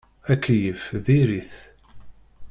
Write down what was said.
Akeyyef diri-t.